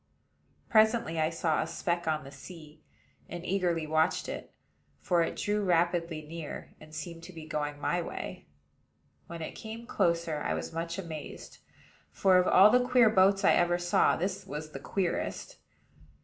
Presently I saw a speck on the sea, and eagerly watched it; for it drew rapidly near, and seemed to be going my way. When it came closer, I was much amazed; for, of all the queer boats I ever saw, this was the queerest.